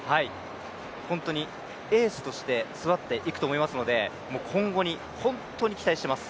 本当にエースとして育っていくと思いますので今後に本当に期待しています。